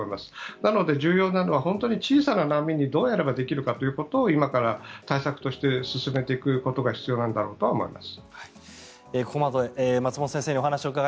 なので、重要なのは本当に小さな波にどうすればできるのかというのを今から対策として進めていくことが必要なんだろうと思います。